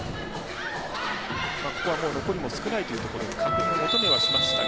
ここはもう残りも少ないというところで確認を求めはしましたが。